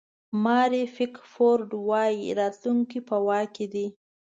ماري پیکفورډ وایي راتلونکی په واک کې دی.